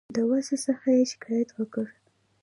د وضع څخه یې شکایت وکړ.